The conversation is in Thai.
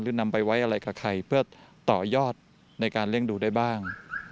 นำไปไว้อะไรกับใครเพื่อต่อยอดในการเลี่ยงดูได้บ้าง